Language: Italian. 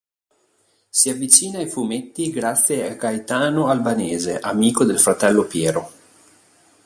Si avvicina ai fumetti grazie a Gaetano Albanese, amico del fratello Piero.